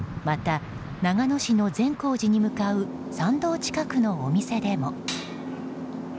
また長野市の善光寺に向かう参道近くのお店でも。